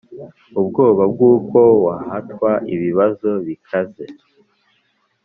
Ubwoba bw'uko wahatwa ibibazo bikaze,